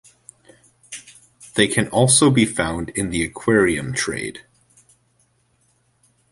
They can also be found in the aquarium trade.